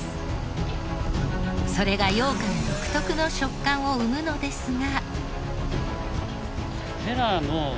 それがようかん独特の食感を生むのですが。